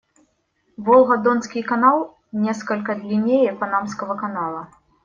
Волго-Донской канал несколько длиннее Панамского канала.